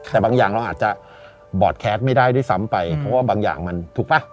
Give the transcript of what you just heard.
แต่บางอย่างเราอาจจะบอร์ดแคสไม่ได้ด้วยซ้ำไปเพราะว่าบางอย่างมันถูกป่ะ